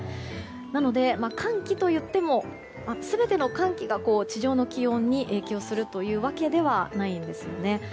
なので、寒気といっても全ての寒気が地上の気温に影響するというわけではないんですね。